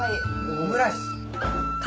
オムライス！